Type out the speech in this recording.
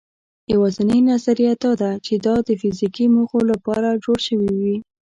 یواځینۍ نظریه دا ده، چې دا د فرهنګي موخو لپاره جوړ شوي وو.